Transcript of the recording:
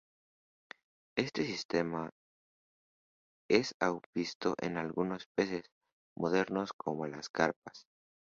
Este sistema es aún visto en algunos peces modernos, como las carpas.